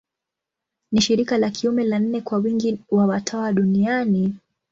Ni shirika la kiume la nne kwa wingi wa watawa duniani.